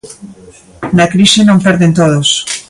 Na crise non perden todos.